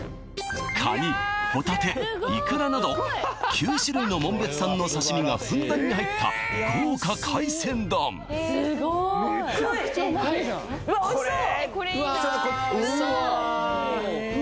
カニホタテいくらなど９種類の紋別産の刺身がふんだんに入った豪華海鮮丼うわっおいしそう！